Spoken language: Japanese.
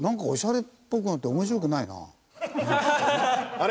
あれ？